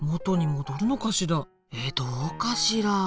えっどうかしら？